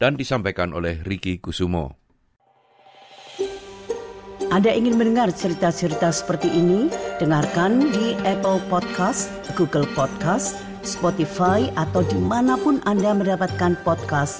dan disampaikan oleh riki kusumo